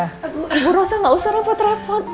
aduh bu rosa nggak usah repot repot